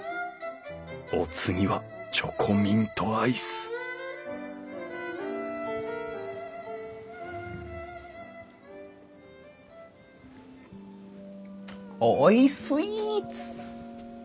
お次はチョコミントアイスおいスイーツ！